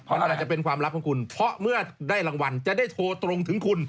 มันอาจจะเป็นความลับของคุณเพราะเมื่อได้รางวัลจะได้โทรตรงถึงคุณ